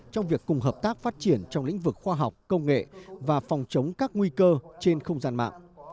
trong việc cùng hợp tác phát triển trong lĩnh vực khoa học công nghệ và phòng chống các nguy cơ trên không gian mạng